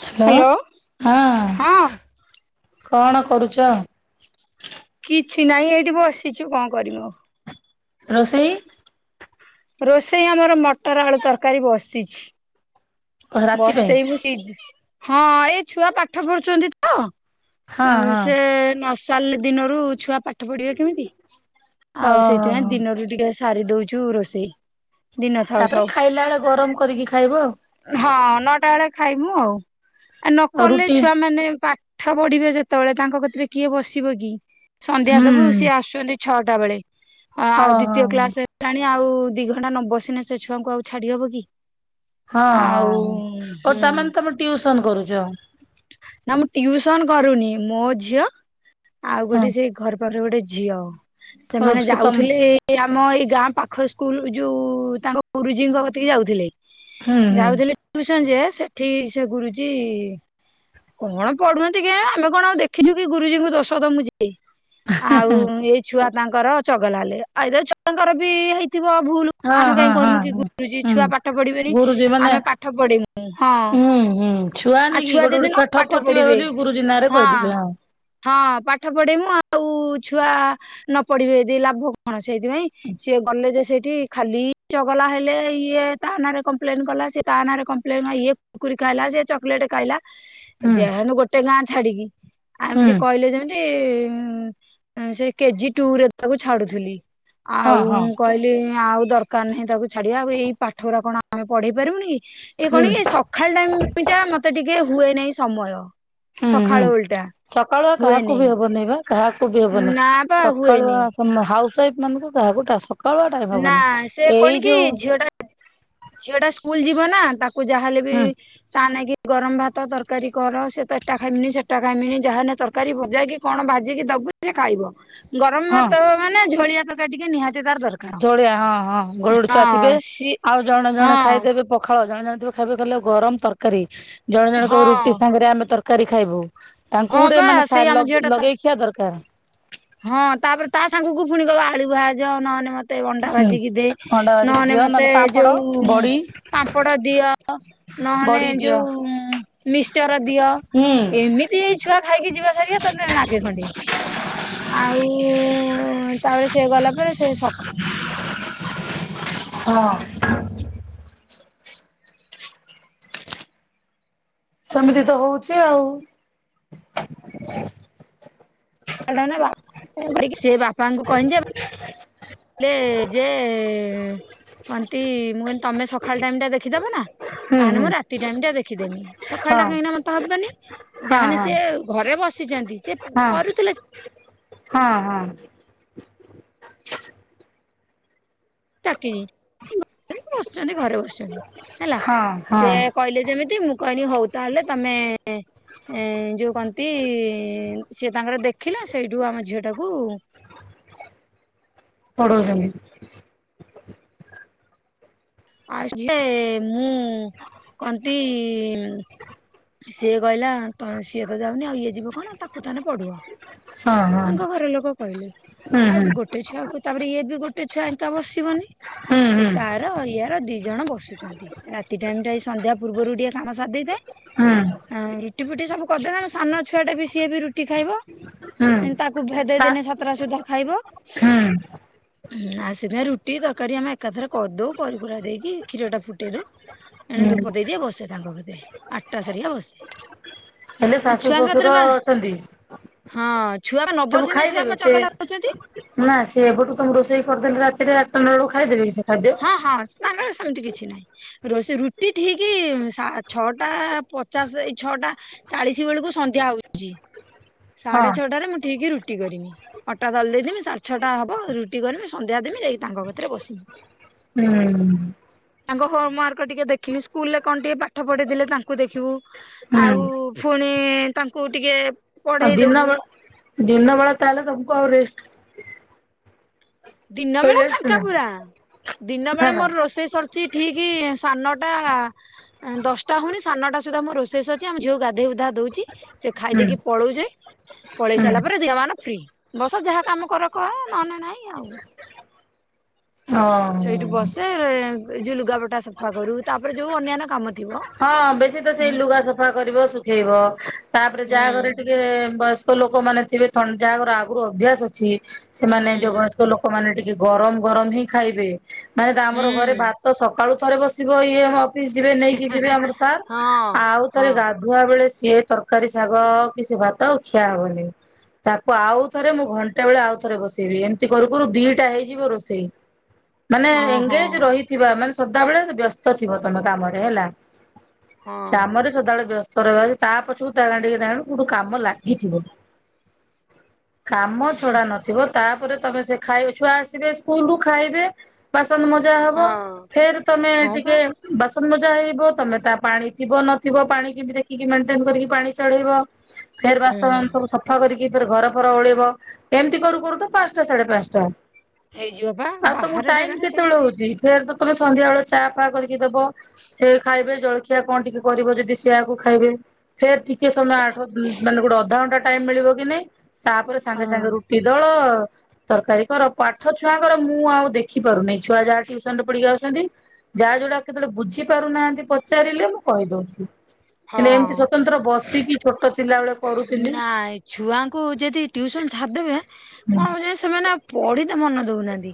Hello hello ହଁ ହଁ। କଣ କରୁଚ? କିଛି ନାଇ ଏଠି ବସିଛୁ କଣ କରିମୁ ଆଉ। ରୋଷେଇ? ରୋଷେଇ ଆମର ମଟର ଆଳୁ ତରକାରୀ ବସିଛି। ରାତି ପାଇଁ? ବସେଇ ବୁ ସିଝି ହଁ ଏଇ ଛୁଆ ପାଠ ପଢୁଛନ୍ତି ତ। ହଁ ଆଉ ହଁ ସେ ନ ସାରଲେ ଦିନରୁ ଛୁଆ ପା ପାଠ ପଢିବେ କେମିତି ଆଉ ସେଇଥିପାଇଁ ଓହୋ ଦିନରୁ ଟିକେ ସାରି ଦଉଛୁ ରୋଷେଇ। ଦିନ ଥାଉ ତାପରେ ଥାଉ ଖାଇଲା ବେଳେ ଗରମ କରିକି ଖାଇବ ଆଉ। ହଁ ନଅଟା ବେଳେ ଖାଇମୁ ଆଉ ଆ ଆଉ ନକଲେ ରୁଟି ଛୁଆ ମାନେ ପା ପାଠ ପଢିବେ ଯେତେବେଳେ ତାଙ୍କ କତିରେ କିଏ ବସିବ କି ସନ୍ଧ୍ୟା ହୁଁ ଦବୁ ସିଏ ଆସୁଛନ୍ତି। ଛଅଟା ବେଳେ ଆଉ ଓହୋ ଦିତୀୟ କ୍ଲାସ ହେଲାଣି। ଆଉ ଦି ଘଣ୍ଟା ନ ବସିନେ ସେ ଛୁଆଙ୍କୁ ଆଉ ଛାଡି ହବ କି ହଁ ଆଉ ହଁ ହଁ ଓ ହୁଁ ତା ମାନେ ତମେ ଟିଉସନ କରୁଚ। ନା ମୁଁ ଟିଉସନ କରୁନି ମୋ ଝିଅ ଆଉ ହଁ ଗୋଟେ ସେଇ ଘର ପାଖର ଗୋଟେ ଝିଅ ଓ ସେମାନେ ସେ ତମ ଯାଉଥିଲେ ଏଇ ଆ ଆମ ଏଇ ଗାଁ ପାଖ ସ୍କୁଲ ଯୋଉ ତାଙ୍କ ଗୁରୁଜୀଙ୍କ କତିକି ଯାଉଥିଲେ। ହୁଁ ହୁଁ ଯାଉଥିଲେ ଟୁସନ ଯେ ସେଠି ସେ ଗୁରୁଜୀ କଣ ପଢୁଅନ୍ତି କେ ଆମେ କଣ ଆଉ ଦେଖିଛୁ କି ଗୁରୁଜୀଙ୍କୁ ଦୋଷ ଦୋମୁ ଯେ ଆଉ ଏଇ ଛୁଆ ତାଙ୍କର ଚଗଲା ହେଲେ ଆଇଦର୍ ଛୁଆଙ୍କର ବି ହେଇ ଥିବ ଭୁଲ ହଁ ଆମେ ହଁ କାହିଁ ହଁ କହିବୁ କି ହଁ। ଗୁରୁଜି ହୁଁ ଛୁଆ ପାଠ ପଢିବେନି ଗୁରୁଜୀ ମାନେ ଆମେ ପାଠ ପଢ଼ିମୁ ହଁ। ହୁଁ ହୁଁ ଛୁଆ ଆଉ ନାଇକି ଗୋଟେ ଯଦି ଗୋଟେ ନ ଛୁଆ ଠକ ପାଠ ଥିବେ ପଢିବେ ବୋଲି ଗୁରୁଜୀ ନାଁରେ ହଁ କହିଦେବେ ହଁ ପାଠ ପଢିମୁ ଆଉ କୁ ଛୁଆ ନ ପଢ଼ିବେ ଯଦି ଲାଭ କଣ ସେଇଥିପାଇଁ ସିଏ ଗଲେ ଯେ ସେଇଠି ଖାଲି ଚଗଲା ହେଲେ ଇଏ ତା ନାରେ କମ୍ପ୍ଲେନ କଲା ସିଏ ତା ନାରେ କମ୍ପ୍ଲେନ ଇଏ କୁରୁକୁରି ଖାଇଲା ସିଏ ଚକଲେଟ୍ ଖାଇଲା ହୁଁ ଯେହେଣୁ ଗୋଟେ ଗାଁ ଛାଡିକି ଆଉ ହୁଁ ଏମିତି କହିଲେ ଯେମିତି ସେ ସେ କେଜି ଟୁ ରେ ତାକୁ ଛାଡୁଥିଲି। ଆଉ ହଁ ହଁ ମୁଁ କହିଲି ଆଉ ଦରକାର ନାହିଁ ତାକୁ ଛାଡିବା ଆଉ ଏଇ ପାଠ ରା କଣ ଆମେ ପଢ଼ିପାରିବୁନି କି? ଏ ହୁଁ କଣ କି ସକାଳ ଟାଇମ ଟା ମତେ ଟିକେ ହୁଏ ନାହିଁ ସମୟ। ହୁଁ ହୁଁ ସକାଳ ଓଳିଟା ସକାଳୁଆ କାହାକୁ ହୁଏନି ବି ହବନି ବା କାହାକୁ ବି ହବନି ନା ପା ହୁଏନି ସକାଳୁଆ ହାଉସ ୱାଇଫ୍ ମାନଙ୍କୁ କାହାକୁ ସକାଳୁଆ ଟାଇମ ନା ହବନି। ସେ ଏଇ କଣ କି ଯୋଉ ଝିଅ ଟା ଝିଅ ଟା ସ୍କୁଲ ଯିବ ନା ତାକୁ ଯାହାହେଲେ ବି ହୁଁ ତା ନାଗି ଗରମ ଭାତ, ତରକାରୀ କର ସେ ତ ଏଟା ଖାଇମନି ସେଟା ମିନି ଯାହା ହେନେ ତରକାରୀ ଭଜା କି କଣ ଭାଜିକି ଦବୁ ସେ ଖାଇବ। ଗରମ ହଁ ଭାତ ମାନେ ଝୋଳିଆ ତରକାରି ଟିକେ ନିହାତି ତାର୍ ଦରକାର୍। ଝୋଳିଆ ହଁ ହଁ ଗୋଡେ ଗୋଡେ ଛୁଆ ଥିବେ ସି ଆଉ ଜଣେ ହଁ ଜଣେ ଖାଇଦେବେ ପଖା ହଁ, ଜଣେ ଜଣେ ଥିବ ଖାଇବେ କହିଲେ ଗରମ ତରକାରୀ, ଜଣେ ଜଣ ହଁ କହିବ ରୁଟି ସାଙ୍ଗରେ ଆମେ ତରକାରୀ ଖାଇବୁ। ହଁ ତାଙ୍କୁ ଗୁଟେ ବା ମାନେ ସେଇ ଆମ ଝିଅ ଟା ତା ଲଗେଇ ଖିଆ ଦରକାର। ହଁ ତାପରେ ତା ସାଙ୍ଗ କ ପୁଣି କହିବ ଆଳୁ ଭାଜେ ନହେଲେ ମତେ ମତେ ଅଣ୍ଡା ହୁଁ। ଭାଜିିକି ଦେ ଅଣ୍ଡା ଭାଜିକି ନହଲେ ଦିଅ ମତେ ନହେଲେ ପାମ୍ପଡ ଯୋଉ ବଡି ପାମ୍ପଡ ଦିଅ। ନହେଲେ ବଡି ଦିଅ ଯୋଉ ମିକସଚର ଦିଅ ହୁଁ ଏମିତି ଏଇ ଛୁଆ ଖାଇକି ଯିବା ସାରିକି ତତେ ନାଗେ ଖଣ୍ଡେ ଆଉ ତାପରେ ସେ ଗଲା ପରେ ସେ ସକାଳ [inaudible] ହଁ। ସେମିତି ତ ହୋଉଛି ଆଉ ବା କରିକି ସେ ବାପାଙ୍କୁ କହିିନି ଯେ ହେଲେ ଯେ କହନ୍ତି ମୁଁ ତମେ ସକାଳ ଟାଇମ ଟା ଦେଖିଦବ ନା ହୁଁ ତାହେଲେ ହୁଁ ମୁଁ ରାତି ଟାଇମ ଟା ଦେଖିଦେମି। ସକାଳ ହଁ ଟା କାହିଁକି ନା ମତେ ହବନି ହଁ ଯାହାହେନେ ହଁ। ସିଏ ଘରେ ବସିଛନ୍ତି। ସେ ହଁ କରୁଥିଲେ ହଁ ହଁ। ତାକି ବସିଚନ୍ତି ଘରେ ବସଚନ୍ତି ହେଲା। ହଁ ହଁ ସେ କହିଲେ ଯେମିତି ମୁଁ କହିଲି ହଉ ତାହେଲେ ତମେ ଏ ଯୋଉ କଣନ୍ତି ସିଏ ତାଙ୍କର ଦେଖିଲା ସେଇଠୁ ଆମ ଝିଅ ଟାକୁ ପଢ଼ଉଚନ୍ତି। ଆସ୍ ଝେ ମୁଁ କଣନ୍ତି ସିଏ କହିଲା ତ ସିଏ ତ ଯାଉନି ଆଉ ଇଏ ଯିବ କଣ ତାକୁ ତାହେଲେ ପଢ଼ୁଅ। ହଁ ହଁ ତାଙ୍କ ଘର ଲୋକ କହିଲେ। ହୁଁ ଆଉ ହୁଁ ସେ ଗୋଟେ ଛୁଆକୁ ତାପରେ ଇଏ ବି ଗୋଟେ ଛୁଆ ଏକା ବସିବନି ହୁଁ ସେ ହୁଁ ତାର ଏଇଆ ତାଙ୍କର ଦି ଜଣ ବସୁଛନ୍ତି। ରାତି ଟାଇମ ଟା ଏଇ ସନ୍ଧ୍ୟା ପୂର୍ବରୁ ଟିକେ କାମ ସାରି ଦେଇଥାଏ। ହଁ। ରୁଟି ଫୁଟି ସବୁ କରିଦେନେ ଆମ ସାନ ଛୁଆଟା ବି ସିଏ ବି ରୁଟି ଖାଇବ। ହୁଁ। ତାକୁ ଭେଦେଇ ସା ଦେନେ ସାତଟା ସୁଦ୍ଧା ଖାଇବ। ହୁଁ ଆ ସେଥିପାଇଁ ରୁଟି, ତରକାରୀ ଆମେ ଏକାଥରେ କରିଦଉ କରିିକୁରା ଦେଇକି କ୍ଷୀର ଟା ଫୁଟେଇ ଦଉ। ଏଣେ ହୁଁ ଧୂପ ଦେଇଦିଏ ବସେ ତାଙ୍କ କତିରେ ଆଠଟା ସାରିକା ବସେ। ହେଲେ ଆଉ ଶାଶୁ, ଛୁଆଙ୍କ କତିରେ ଶଶୁର ବା ଅଛନ୍ତି। ହଁ ଛୁଆ ବା ନ ସବୁ ବସିଲେ ଛୁଆ ଖାଇଦେବେ ବା ସେ ଚଗଲା ହଉଛନ୍ତି। ନା ସେ ଏବେଠୁ ତ ମୁଁ ରୋଷେଇ ପରଦିନ ରାତିରେ ଆଠଟା ନ ରୁ ହଁ ହଁ [unintelligible] ଏମିତି କିଛି ନାହିଁ ରୋଷଇ ରୁଟି ଠିକି ସା ଛଅଟା ପଚାଶ ଏଇ ଛଅଟା ଚାଳିଶ ବେଳକୁ ସନ୍ଧ୍ୟା ହଉଚି। ହ ସାଢେ ଛଅଟାରେ ମୁଁ ଠିକି ରୁ ରୁଟି କରିମି ଅଟା ଦଳ ଦେଇଥିବି ସାଢ଼ ଛଅଟା ହବ ରୁଟି କରିବି, ସନ୍ଧ୍ୟା ଦେବି, ଯାଇକି ତାଙ୍କ କତିରେ ବସିବି। ହୁଁ। ତାଙ୍କ ହୋମ ୱାର୍କ ଟିକେ ଦେଖିବି ସ୍କୁଲରେ କଣ ଟିକେ ପାଠ ପଢିଥିଲେ ତାଙ୍କୁ ଦେଖିବୁ। ହୁଁ ଆଉ ପୁଣି ତାଙ୍କୁ ଟିକେ ଆଉ ଦିନ ପଢେଇଦବୁ ବେଳ ଦିନ ବେଳା ତାହେଲେ ତମକୁ ଆଉ ରେଷ୍ଟ ଦିନ ବେଳା ରେଷ୍ଟ ଫାଙ୍କା ନାହିଁ। ପୁରା। ଦିନ ବେଳା ମୋର ରୋଷେଇ ସରୁଚି ଠିକି ସାନଟା ଅଁ ଦଶଟା ହଉନି ସାନଟା ସୁଦ୍ଧା ମୋ ରୋଷେଇ ସରଚି ଆମ ଝିଅ କୁ ଗାଧୋଇ ଗୁଧା ଦଉଚି ସେ ଖାଇ ହୁଁ ଦେଇକି ପଳଉଚି ପଳେଇ ହୁଁ ସାରିଲା ପରେ ଦିନ ମାନ ଫ୍ରି ବସ ଯାହା କାମ କର କର ନହେଲେ ନାଇଁ ଆଉ ସେଇଠି ହଁ। ବସେ ଏ ଯୋଉ ଲୁଗାପଟା ସଫା କରୁ ତାପରେ ଯୋଉ ଅନ୍ୟାନ୍ୟ କାମ ଥିବ। ହଁ ବେଶୀ ତ ହୁଁ ସେଇ ଲୁଗା ସଫା କରିବ ଶୁଖେଇବ ତାପରେ ଯାହା ଘରେ ଟିକେ ବସ ତ ଲୋକମାନେ ଥିବେ ଥ ଯାହା ଘର ଆଗରୁ ଅଭ୍ୟାସ ଅଛି ସେମାନେ ହୁଁ ଯୋଉ ବୟସ୍କ ଲୋକମାନେ ଟିକେ ଗରମ ଗରମ ହିଁ ଖାଇବେ ମାନେ ତା ଆମର ଘରେ ହୁଁ। ଭାତ ସକାଳୁ ଥରେ ବସିବ ଇଏ ହବ ଫିସ ଯିବେ ନେଇକି ଯିବେ ଆମର ସାର୍ ହଁ ଆଉ ଥରେ ହଁ ଗାଧୁଆ ବେଳେ ସେ ସିଏ ତରକାରୀ ଶାଗ କିଛି ଭାତ ଆଉ ଖିଆ ହବନି ତାକୁ ଆଉ ଥରେ ମୁଁ ଘଣ୍ଟା ବେଳେ ଆଉ ଥରେ ବସେଇବି ଏମିତି କରୁ କରୁ ଦିଟା ହେଇଯିବ ରୋଷେଇ ମାନେ ହଁ ଏଙ୍ଗେଜ ହଁ ରହିଥିବା ମାନେ ସଦାବେଳେ ବ୍ୟସ୍ତ ଥିବ ତମେ କାମରେ ହେଲା ହଁ କାମରେ ସଦାବେଳେ ବ୍ୟସ୍ତ ସର ତା ପଛକୁ ତା ଗାଣ୍ଡି କି ଗାଣ୍ଡୁ ସୁଦୁ କାମ ଲାଗିଥିବ କାମ ଛଡା ନଥିବ ତାପରେ ତମେ ସେ ଖାଇ ଛୁଆ ଆସିବେ ସ୍କୁଲ ରୁ ଖାଇବେ ବାସ ବାସନ ମଜା ହବ ହଁ ଫେର ତମେ ହଁ ବା ଟିକେ ବାସନ ମଜା ହେଇବ ତମେ ତା ପାଣି ଥିବ ନଥିବ ପାଣି କେମିତି ଦେଖିକି ମେଣ୍ଟେନ କରିକି ପାଣି ଚଢେଇବ ଫେର ହୁଁ ବାସନ ସବୁ ସଫା କରି କି ଫେରେ ଘର ଫର ଓଳେଇବ ଏମିତି କରୁ କରୁ ତ ପାଞ୍ଚଟା ସାଢେ ପାଞ୍ଚଟା ହେଇଯିବ ବା ଆଉ ତମ ବାହାର ଟାଇମ ଜାଗାରେ କେତେବେଳେ ସେଇଆ। ହଉଛି ଫେର ତ ତମେ ସନ୍ଧ୍ୟା ବେଳ ଚା ଫା କରିକି ଦବ ସେ ଖାଇବେ ଜଳଖିଆ କଣ ଟିକେ କରିବ ଯଦି ସେଆକୁ ଖାଇବେ ଫେର୍ ଟିକେ ସମୟ ସ- ଆଠ ମଁ ମାନେ ଗୋଟେ ଅଧାଘଣ୍ଟା ଟାଇମ ମିଳିବ କି ନାଇଁ ତାପରେ ସାଙ୍ଗେ ହଁ। ସାଙ୍ଗେ ରୁଟି ଦଳ ତରକାରୀ କର ପାଠ ଛୁଆଙ୍କର ମୁଁ ମୁଁ ଆଉ ଦେଖି ପାରୁନି ଛୁଆ ଯାହା ଟୁସନ ରେ ପଢିକି ଆସୁଛନ୍ତି ଯାହା ଯଉଟା କେତେବେଳେ ବୁଝି ପାରୁନାହାନ୍ତି ପଚାରିଲେ ମୁଁ କହିଦଉଚି ହେଲେ ଏମିତି ହଁ ସ୍ୱତନ୍ତ୍ର ବସିକି ଛୋଟ ଥିଲାବେଳେ କରୁଥିଲି ନାଇଁ ଛୁଆଙ୍କୁ ଯଦି ଟ୍ୟୁସନ ଛାଡିଦେବେ ହୁଁ କଣ ହଉଚି ସେମାନେ ପଢି ତେ ମନ ଦଉନାହାନ୍ତି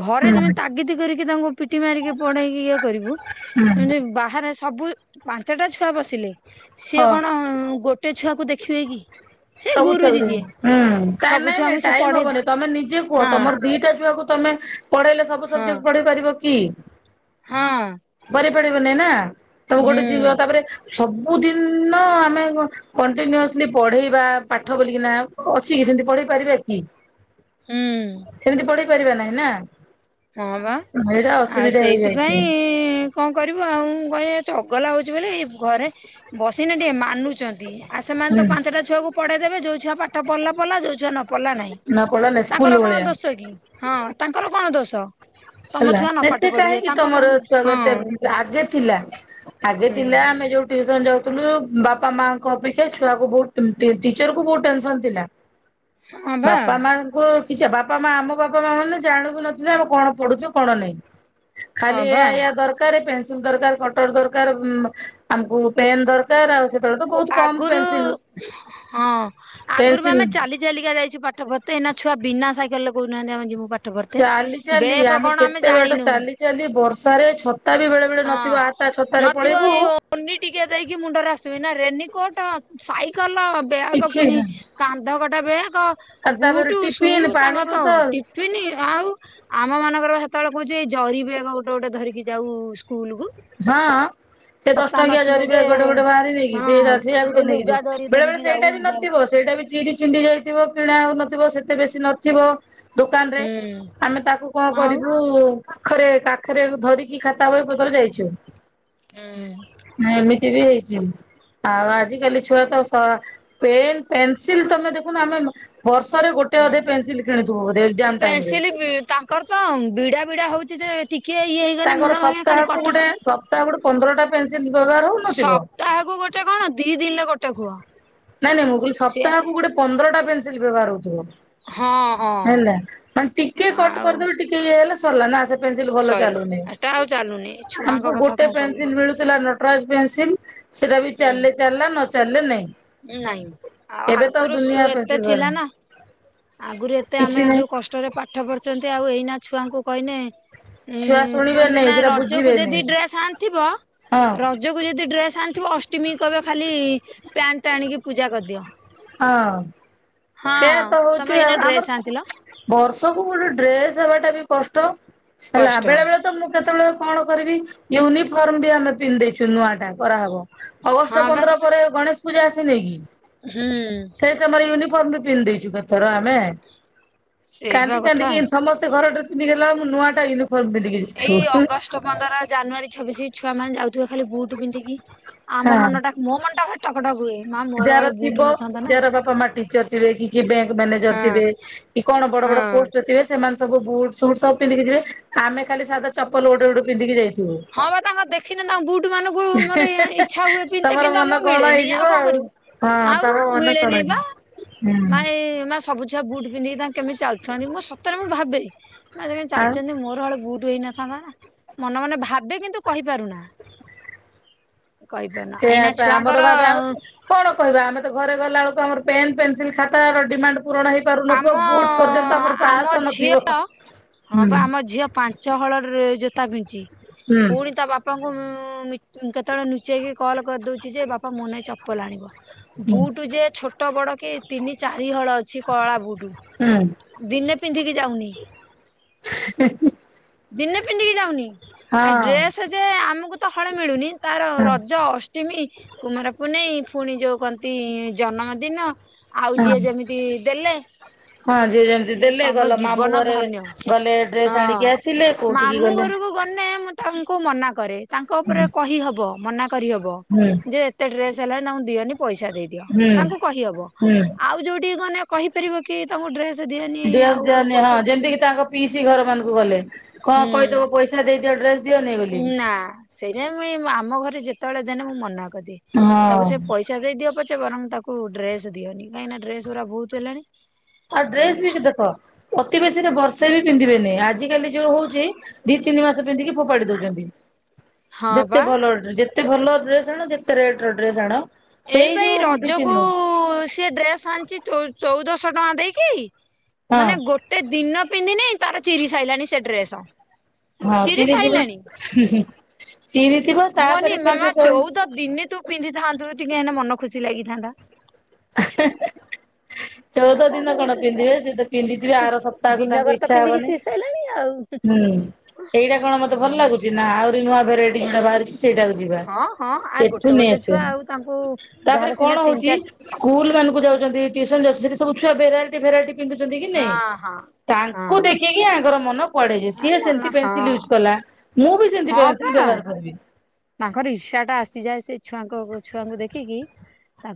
ଘରେ ହୁଁ ଯେମିତି ତାଗିତି କରିକି ତାଙ୍କୁ ପିଟି ମାରିକି ପଡେଇକି ଇଏ କରିବୁ ହୁଁ ଏମିତି ବାହାରେ ସବୁ ପାଞ୍ଚଟା ଛୁଆ ବସିଲେ ସିଏ ହଁ। କଣ ଗୋଟେ ଛୁଆକୁ ଦେଖିବେ କି? ସେ ସବୁ ଛୁଆ ଗୁରୁଜୀ ଙ୍କୁ ଯିଏ ହଁ କାଇଁ ସବୁ ନାଇଁ ନାଇଁ ଛୁଆଙ୍କୁ ସେ ଟାଇମ ପଢେଇ ହବନି ତମେ ନିଜେ କୁହ ହଁ ତମର ଦିଟା ଛୁଆକୁ ତମେ ତମେ ପଢେଇଲେ ସବୁ ହଁ ସବଜେକ୍ଟ ପଢେଇ ପାରିବ କି? ହଁ। କରି ପାରିବନାଇଁ ନା ସବୁ ଗୋଟେ ହୁଁ। ଥିବ ତାପରେ ସବୁଦିନ ଆମେ କଣ୍ଟିନୁସଲି ପଢେଇ ବା ପାଠ ବୋଲିକିନା ଅଛି ସେମତି ପଢେଇ ପାରିବା କି ହୁଁ ସେମତି ପଢ଼େଇ ପାରିବା ନାହିଁ ନା ହଁ ବା ସେଇଟା ଆଉ ଅସୁବିଧା ହେଇଯାଇଛି ସେଇଥିପାଇଁ କଣ କରିବୁ ଆଉ କହିଁ ଚଗଲା ହଉଛି ବୋଲି ଘରେ ବସିନା ଟିକେ ମାନୁଛନ୍ତି ଆଉ ସେମାନେ ତ ହୁଁ ପାଞ୍ଚଟା ଛୁଆକୁ ପଢେଇ ଦେବେ ଯୋଉ ଛୁଆ ପାଠ ପଲା ପଲା ଯୋଉ ଛୁଆ ନ ପଲା ନାହିଁ ନ ପଢା ନା ତାଙ୍କର ସ୍କୁଲ କଣ ଭଳିଆ ଦୋଷ କି ହଁ। ତାଙ୍କର କଣ ଦୋଷ? ତମ ହେଲା ଛୁଆ ନ ନାଁ ପାଠ ସିଏ ପଢିବେ କାହିଁକି ତାଙ୍କର ତମର ହଁ ଛୁଆକୁ ଏତେ ଆଗେ ଥିଲା। ଆଗେ ହୁଁ ଥିଲା ଆମେ ଯୋଉଠି ଯେତେବେଳେ ଯାଉଥିଲୁ ବାପା ମାଙ୍କ ଅପେକ୍ଷା ଛୁଆକୁ ବୋହୁତ ଟି-ଟିଚରକୁ ବୋହୁତ ଟେନସନ୍ ଥିଲା। ହଁ ବା ବାପା ମାଙ୍କୁ କିଛି ବାପା ମା ଆମ ବାପା ମା ମାନେ ଜାଣିବୁ ନଥିଲେ ଆମେ କଣ ପଢ଼ୁଚୁ କଣ ନାଇଁ ଖାଲି ହଁ ବା ଏଇୟା ଏଇୟା ଦରକାର ପେ ପେନସିଲ୍ ଦରକାର କଟର ଦରକାର ଆମକୁ ପେନ୍ ଦରକାର ଆଉ ସେତେବେଳେ ତ କୁ ବୋହୁତ କମ୍ ଆଗରୁ ପେନସିଲ୍ ହଁ ଆଗରୁ ପା ଆମେ ଚାଲି ଚାଲିକା ଯାଇଚୁ ପା ଠ ପତେ ଏଇନା ଛୁଆ ବିନା ସାଇକଲେ କହୁନାହାନ୍ତି ଆମେ ଯିବୁ ପା ଠ ପଢିତେ ଚାଲି ଚାଲି ବେଗ କଣ ଆମେ କେତେ ବାଟ ଜାଣିିନୁ ହଁ। ଚାଲି ଚାଲି ବର୍ଷାରେ ଛତା ବି ବେଳେ ବେଳେ ନଥିବ ଆ ତା ଛତାରେ ନଥିବ ପଳେଇବୁ ଏ ଓନି ଟିକେ ଦେଇ କି ମୁଣ୍ଡରେ ଆସିବି ନା ରେନିକୋଟ୍, ସାଇକେଲ, ବ୍ୟାଗ ଫୁଣି କିଛି କାନ୍ଧ କଟା ବ୍ୟାଗ୍। କ ବୁଟ, ତାପରେ ସୁ ଟିଫିନ୍ ପାଣି ତାଙ୍କ ତ ବୋତଲ ହଁ। ଟିଫନ୍ ଆଉ। ଆମ ମାନଙ୍କର ସେତେବେଳେ କହୁଛି ଏଇ ଜରିିବେଗ ଗୋଟେ ଗୋଟେ ଧରିକି ଯାଉ ସ୍କୁଲକୁ। ହଁ। ସେ ଦଶ ଟଙ୍କିଆ ଜରି ଯେ ବେଗ୍ ଗୋଟେ ଗୋଟେ ଭାରି ନେଇକି ସେଇରା ହଁ ସେଇଆ କୁ ତ ଏଇ ନେଇକି ଲୁଗା ଧରି ଯିବ ବେଳେ ବେଳେ ଧରିକି ଯାଉ ସେଇଟା ବି ବ୍ୟାଗ ନଥିବ। ତ ସେଇଟା ବି ଚିରି ଚିଣ୍ଡି ଯାଇଥିବ। କିଣା ହଉନଥିବ ସେତେ ବେଶୀ ନଥିବ ଦୋକାନରେ ହୁଁ ଆମେ ତାକୁ କଣ ଆଉ କରିବୁ। କାଖରେ କାଖରେ ଧରିକି ଖାତା ବହି ପତ୍ର ଯାଇଛୁ। ହୁଁ। ସିଏ ବି ହେଇଚି। ଆଉ ଆଜିକାଲି ଛୁଆ ତ ସ ପେନ୍ ପେନସିଲ ତମେ ଦେଖୁନ ଆମେ ମ ବର୍ଷରେ ଗୋଟେ ଅଧେ ହୁଁ ପେନସିଲ କିଣିଥିବୁ ବୋଧ ଏକ୍ଜାମ ଟାଇମରେ। ପେନସିଲ ତାଙ୍କର ତ ବିଡା ବିଡା ହଉଛି ଟିକେ ଇଏ ହେଇଗଲେ ତାଙ୍କର ମୁନ ଭାଙ୍ଗିଗଲେ ଖାଲି ସପ୍ତାହକୁ ଗୋଟେ କଟର- ସପ୍ତାହ ଗୋଟେ ପନ୍ଦରଟା ପେନସିଲ ବ୍ୟବହାର ହଉନଥିବ। ସପ୍ତାହକୁ ଗୋଟେ କଣ ଦି ଦିନରେ ଗୋ ନାଁ ନାଇଁ ମୁଁ କଇଲି ସପ୍ତାହକୁ ଗୋଟେ ପନ୍ଦରଟା ପେନସିଲ ବ୍ୟବହାର ହୋଉଥୁବ। ହଁ ହଁ ହେଲା ମାନେ ଟିକେ କଟ ଆଉ କରିଦେବେ ଟିକେ ଇଏ ହେଲେ ସରଲା ନାଁ ପେନିଶିଲ ଭଲ ସଇଲା ଚାଲୁନି। ଏଟା ଆଉ ଚାଲୁନି ଛୁଆଙ୍କ ଆମକୁ କଥା ଗୋଟେ କଣ କହିବୁ ପେନସିଲ ମିଳୁଥିଲା ନଟରାଜ ପେନସିଲ ସେଟା ବି ଚାଲିଲେ ହୁଁ ଚାଲିଲା ନ ଚାଲେ ନାଇଁ। ନାଇଁ ଆଉ ଏବେ ତ ଆଗୁରୁ ଦୁନିଆ ସୁ ଏତେ ପେନସିଲ ଥିଲା ବାହାରିଲାଣି ନାଁ ଆଗରୁ ଏ କିଛି ଆମେ ନାଇଁ। ଯୋଉ କଷ୍ଟରେ ପାଠ ପଢୁଛନ୍ତି ଆଉ ଏଇନା ଛୁଆଙ୍କୁ କହିନେ- ଛୁଆ ଉଁ ଶୁଣିବେନି କୁହନ୍ତି ନାଁ ସେଟା ରଜକୁ ବୁଝିବେନି ଯଦି ଡ୍ରେସ ଆଣିଥିବ ହଁ ରଜୁକୁ ଯଦି ଡ୍ରେସ ଆଣିଥିବ ଅଷ୍ଟିମୀ କହିବେ ଖାଲି ପ୍ୟାଣ୍ଟଟେ ଆଣିକି ପୂଜା କରିଦିଅ। ହଁ। ହଁ ସେଇଆ ତ ତମେ ହଉଚି ଏଇନା ଆମର ଡ୍ରେସ ଆଣିଥିଲ ତ ବର୍ଷକୁ ଗୋଟେ ଡ୍ରେସ୍ ହେବାଟା ବି କଷ୍ଟ। ହେଲା କଷ୍ଟ ବେଳେ ବେଳେ ତ ମୁଁ କେତେବେଳେ କଣ କରିବି- ୟୁନିଫର୍ମ ବି ଆମେ ପିନ୍ଧି ଦେଇଚୁ ନୂଆଟା କରାହେବ ହଁ ଅଗଷ୍ଟ ବା ପନ୍ଦର ପରେ ଗଣେଶ ପୂଜା ଆସି ନେଇକି? ହୁଁ। ଫମରେ ପିନ୍ ଦେଇଚୁ କେଥର ଆମେ। ସେଇ ବା କାନ୍ଦି କଥା କାନ୍ଦିକି ସମସ୍ତେ ଘର ଡ୍ରେ ପିନ୍ଧି କେଲା ମୁଁ ନୂଆଟା ଇନୁ ଏଇ ଅଗଷ୍ଟ ପନ୍ଦର ଜାନୁଆରୀ ଛବିଶି ଛୁଆମାନେ ଯାଉଥୁବେ ଖାଲି ବୁଟ ପିନ୍ଧିକି। ଆମ ହଁ ମନଟା ମୋ ମନଟା ଭାରି ଟକଟକ ହୁଏ ମା ମୋର ଯାହାର ହଳେ ବୁଟ ଥିବ। ନଥାନ୍ତା ନା। ଯାହାର ବାପା ମା ଟିଚର ଥିବେ କି କି ବ୍ୟାଙ୍କ ମ୍ୟାନେଜର ହଁ ଥିବେ କି କଣ ବଡ- ହଁ। ରୋଡ଼ ପୋଷ୍ଟ ଥିବେ ସେମାନେ ସବୁ ବୁଟ୍ ସୁଟ୍ ସବୁ ପିନ୍ଧିକି ଯିବେ ଆମେ ଖାଲି ସାଧା ଚପଲ ଗୋଟେ ଗୋଟେ ପିଧିକି ଯାଇ ହଁ ବା ତାଙ୍କ ଦେଖିନେ ତାଙ୍କ ବୁଟ୍ ମାନଙ୍କୁ ମୋର ଇ ଇଚ୍ଛା ହୁଏ ପିନ୍ତେ ତମର କିନ୍ତୁ ମନ ଆମୁକୁ କଣ ମିଳେନି ହେଇଯିବ ଆଉ କଁ କରିମି। ହଁ ଆଉ ତମ ମନ ମିଳେନି କଣ ବା ହେଇଯିବ। ହୁଁ ମାନେ ମା ସବୁ ଛୁଆଙ୍କୁ - ଉଟ୍ ପିନ୍ଧିକ ତାଙ୍କ କେମିତି ଚାଲଥାନ୍ତି ମୁଁ ସତରେ ମୁଁ ଭାବେ ନାଁ ଯେମିତି ଆଉ ଚାଲଚନ୍ତି ମୋର ହଳେ ବୁଟ୍ ହେଇ ନ [unintelligible] ମନେ ମନେ ଭାବେ କିନ୍ତୁ କହିପାରୁନା କହିପାରୁନା ସେଇଆ ଏଇନା ପା ଛୁଆଙ୍କର ଆମର ଭାବେ ଆମେ କ କଣ କହିବା ଆମେ ତ ଘରେ ଗଲାବେଳକୁ ଆମର ପେନ୍ ପେନ୍ସିଲ ଖାତ ର ଡିମାଣ୍ଡ ପୂରଣ ହେଇ ଆମ ପାରୁନଥିବ ବୁଟ ପର୍ଯ୍ୟନ୍ତ ଆମର ଆମ ସାହସ ଝିଅ ନଥିବ। ହଁ ହୁଁ ବା ଆମ ଝିଅ ପାଞ୍ଚ ହଳ ଡ୍ରେ ଜୋତା ପିନ୍ଧୁଚି ହୁଁ ପୁଣି ତା ବାପାଙ୍କୁ ତାଙ୍କୁ ମିଚ କେତେବେଳେ ନୁଚେଇକି କଲ୍ କରିଦେଉଚି ଯେ ବାପା ମୋ ନାଗି ଚପଲ ଆଣିବ। ହୁଁ ବୁଟ ଯେ ଛୋଟ ବଡ କି ତିନି ଚାରି ହଳ ଅଛି କଳା ବୁଟୁ ହୁଁ ଦିନେ ପିନ୍ଧିକି ଯାଉନି ହ୍ନେ-ହ୍ନେ ଦିନେ ପିନ୍ଧିକି ଯାଉନି ଆ ଡ୍ରେସ ଯେ ଆମକୁ ତ ହଳେ ମିଳୁନି ତାର ହଁ ରଜ ଅଷ୍ଟିମୀ କୁମାର ପୁନେଇ ପୁଣି ଯୋଉ କନ୍ତି ଜନ୍ମ ଦିନ। ଆଉ ଯିଏ ହଁ। ଯେମିତି ଦେଲେ। ହଁ ଯିଏ ଯେମତି ଦେଲେ ତମ ଗଲ ମାମୁଁ ଜୀବନ ଘରେ ଗଲେ ଡ୍ରେସ ଆଣିକି ଆସି ମାମଁ ଘରକୁ ଗଲେ ମୁଁ ତାଙ୍କୁ ମନା କରେ ତାଙ୍କ ଉପରେ ହୁଁ କହିହବ ମନା କରିହବ ହୁଁ ଯେ ଏତେ ଡ୍ରେସ ହେଲା ତାଙ୍କୁ ଦିଅନି। ପଇସା ଦେଇ ଦିଅ ହୁଁ ତାଙ୍କୁ କହିହବ, ହୁଁ। ଆଉ ଯୋଉଠି ଗନେ କହିପାରିବ କି ତାଙ୍କୁ ଡ୍ରେସ ଦିଅନି ଆଉ ଦେଆନିଆ ହଁ ପଇସା ଦିଅ ଯେମିତି କିି ବୋଲି। ତାଙ୍କ ପିଇସି ଘର ମାନଙ୍କୁ ଗଲେ କଣ ହୁଁ କହିଦବ ପଇସା ଦେଇ ନା ସେଇଟ ମୁଇଁ ଆମ ଘରେ ଯେତେବେଳେ ଦେନେ ମୁଁ ମନା କରେ। ହଁ। ତାକୁ ସେ ପଇସା ଦେଇଦିଅ ପଛେ। ପଛେ ବରଂ ତାକୁ ଡ୍ରେସ ଦିଅନ କାହିଁକିନା ଡ୍ରେସ ଗୁଡ଼ା ବହୁତ ହେଲାଣି। ଆଉ ଡ୍ରେସ ଏଇଭଳିଆ ବି ଦେଖ ଅତି ବେଶୀରେ ବର୍ଷେ ସେ ବି ପିନ୍ଧିବେନି ଆଜିିକାଲି ଯୋଉ ହଉଛି ଦି ତିନି ମାସ ପିନ୍ଧିକି ଫୋପାଡି ଦଉଛନ୍ତି। ହଁ ବା ଯେତେ ଭଲ ଡେ ଯେତେ ଭଲ ଡ୍ରେସ ଆଣ ଯେତେ ରେଟ ର ଡ୍ରେସ ଆଣ। ସେଇ ଏଇପାଇ ଯୋଉ ଦି ତିନି ରଜକୁ ମାସ ସିଏ ଡ୍ରେସ ଆଣିଛି ଚଉ ଚଉଦଶହ ଟଙ୍କା ଦେଇକି। ହଁ ମାନେ ଗୋଟେ ଦିନ ପିନ୍ଧିନି ତାର ଚିରି ସାଇିଲାଣି ସେ ଡ୍ରେସ୍। ହଁ ଚିରି ଯିବ। ମୁଁ କହିନି ମାମା ଚଉଦ ଦିନି ତୁ ପିନ୍ଧିଥାନ୍ତୁ ଟିକେ ହେ ମନ ଖୁସି ଲାଗିଥାନ୍ତା। ହା, ହା। ଚଉଦ ଆଉ ଦିନ କହିବ କଣ ସେ ପିନ୍ଧିବେ ଛୁଆଙ୍କୁ ସେ ତ ପିନ୍ଧିଥିବେ ଆର ସପ୍ତାହକୁ ତାଙ୍କୁ ଦିନକରେ ତ ଇଚ୍ଛା ପିନ୍ଧିକି ହବନି ଚିରି ସାଇଲାଣି ଆଉ। ହୁଁ। ଏଇଟା କଣ ମତେ ଭଲ ଲାଗୁଛି ନା ଆହୁରି ନୂଆ ଭେରାଇଟି ଯୋଉଟା ବାହାରୁଛି। ସେଇଟାକୁ ଯିବା ହଁ ହଁ ଆଉ ଗୋଟେ ସେଠୁ ନେଇ ଗୋଟେ ଆସ ଛୁଆ ଆଉ ତାଙ୍କୁ ଯାହାର ତାପରେ ସିନା କଣ ତିନି ହଉଛି ଚାରି ସ୍କୁଲ ସ୍କୁଲକୁ ଯାଉଛନ୍ତି ଟିଉସନ୍ ଯାଉଛନ୍ତି ସେଠି ସବୁ ଛୁଆ ଭେରାଇଟି ଭେରାଇଟି ପିନ୍ଧୁଛନ୍ତି କି ହଁ ନାଇଁ। ହଁ। ହଁ ତାଙ୍କୁ ଦେଖିକି ଆଙ୍କର ମନ କୁଆଡେ ଆ ସିଏ ମନ ସେମିତି ହଁ ପେନସିଲ ୟୁଜ କଲା ମୁଁ ବି ସେମତି ହଁ ପା ପେନସିଲ ତାଙ୍କର ବି। ତାଙ୍କର ଇଛା ଟା ଆସିଯାଏ ସେ ଛୁଆଙ୍କ ଛୁଆଙ୍କୁ ଦେଖିକି ତା